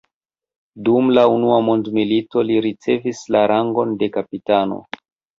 Dum la unua mondmilito li ricevis la rangon de kapitano.